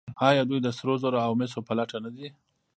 آیا دوی د سرو زرو او مسو په لټه نه دي؟